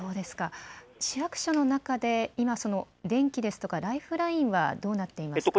市役所の中で電気やライフラインはどうなっていますか。